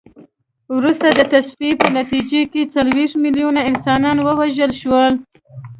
وروسته د تصفیې په نتیجه کې څلوېښت میلیونه انسانان ووژل شول.